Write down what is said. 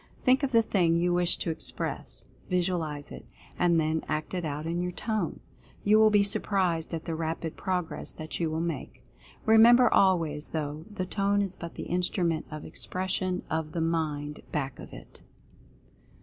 Think of the thing you wish to express — visualize it — and then act it out in your Tone. You will be surprised at the rapid progress that you will make. Remember always, though, the Tone is but the Instrument of Expression of the MIND back of it.